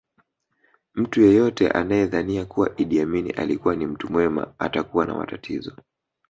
Mtu yeyote anayedhania kuwa Idi Amin alikuwa ni mtu mwema atakuwa na matatizo